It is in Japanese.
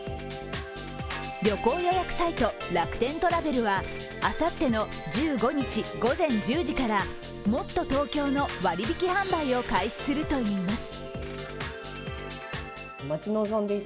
旅行予約サイト、楽天トラベルはあさっての１５日午前１０時からもっとＴｏｋｙｏの割引き販売を開始するといいます。